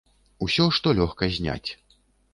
Усё, што лёгка зняць.